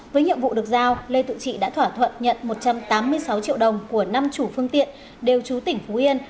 với nhiệm vụ được giao lê tự trị đã thỏa thuận nhận một trăm tám mươi sáu triệu đồng của năm chủ phương tiện đều chú tỉnh phú yên